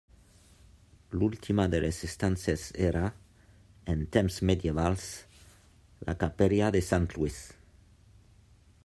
L'última de les estances era, en temps medievals, la Capella de Sant Lluís.